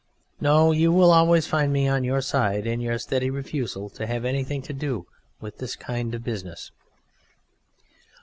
No, you will always find me on your side in your steady refusal to have anything to do with this kind of business.